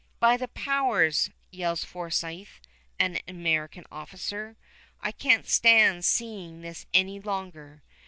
"By the powers!" yells Forsyth, an American officer, "I can't stand seeing this any longer.